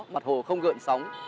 mặt hồ không gợn sóng